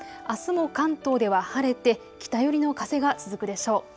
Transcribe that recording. あすも関東では晴れて北寄りの風が続くでしょう。